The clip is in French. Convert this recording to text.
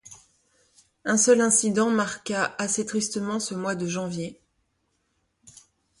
Un seul incident marqua assez tristement ce mois de janvier.